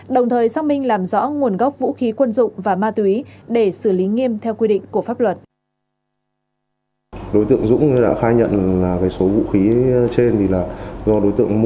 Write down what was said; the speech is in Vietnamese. đồng thời xác minh làm rõ nguồn gốc vũ khí quân dụng và ma túy để xử lý nghiêm theo quy định của pháp luật